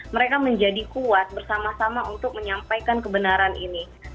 mereka menjadi kuat bersama sama untuk menyampaikan kebenaran ini